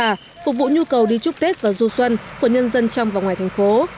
và phục vụ nhu cầu đi chúc tết và du xuân của nhân dân trong và ngoài thành phố